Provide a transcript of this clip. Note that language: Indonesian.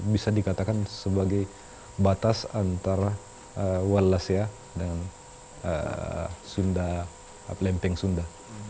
bisa dikatakan sebagai batas antara wallasia dan lempeng sunda